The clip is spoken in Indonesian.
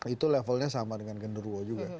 itu levelnya sama dengan genderuo juga